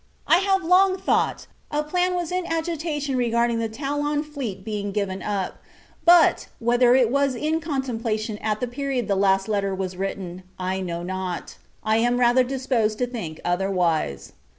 I have long thought, a plan was in agitation regarding the Toulon fleet being given up; but, whether it was in contemplation at the period the last letter was written, I know not. I am rather disposed to think otherwise.